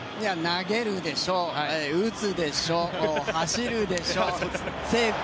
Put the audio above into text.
投げるでしょう、打つでしょう、走るでしょう。